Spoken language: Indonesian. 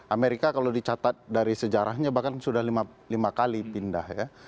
amerika kalau dicatat dari sejarahnya bahkan sudah lima kali pindah ya